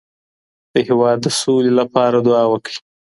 د هېواد د سولې لپاره دعا وکړئ.